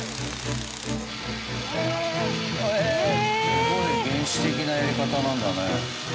すごい原始的なやり方なんだね。